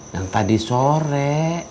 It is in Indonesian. yang tadi sore